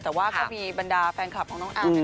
แต่ว่าก็มีบรรดาแฟนคลับของน้องอัล